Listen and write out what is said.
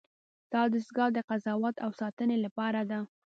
دا دستگاه د قضاوت او ساتنې لپاره ده.